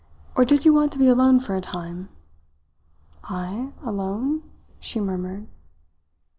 Or did you want to be alone for a time?" "I alone?" she murmured.